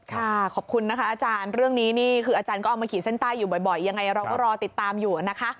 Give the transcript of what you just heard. ขอบคุณนะคะอาจารย์เรื่องนี้นี่คืออาจารย์ก็เอามาขีดเส้นใต้อยู่บ่อยยังไงเราก็รอติดตามอยู่นะคะ